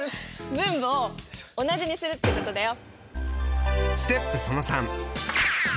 分母を同じにするってことだよ。